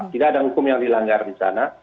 tidak ada hukum yang dilanggar disana